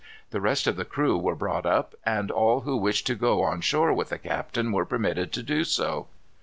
The rest of the crew were brought up, and all who wished to go on shore with the captain were permitted to do so.